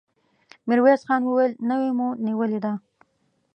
ميرويس خان وويل: نوې مو نيولې ده!